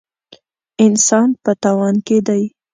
انسان په تاوان کې دی.